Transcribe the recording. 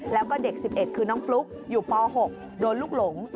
แล้วก็เด็ก๑๑คือน้องฟลุ๊กอยู่ป๖โดนลูกหลง